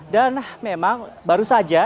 dan memang baru saja